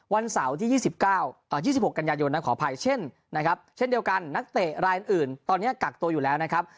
วันเสาร์ที่๒๖กันยายนขออภัยเช่นนะครับเช่นเดียวกันนักเตะรายอื่นตอนนี้กักตัวอยู่แล้วนะครับ